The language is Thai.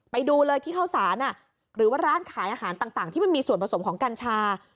ไปดูเลยที่เข้าสารหรือว่าร้านขายอาหารต่างที่มันมีส่วนผสมของกัญชา